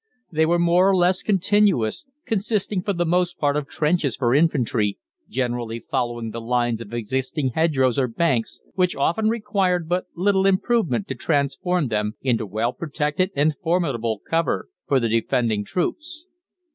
They were more or less continuous, consisting for the most part of trenches for infantry, generally following the lines of existing hedgerows or banks, which often required but little improvement to transform them into well protected and formidable cover for the defending troops.